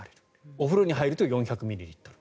お風呂に入ると４００ミリリットル。